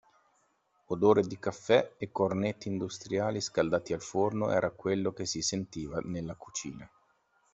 Odore di caffè e cornetti industriali scaldati al forno era quello che si sentiva nella cucina.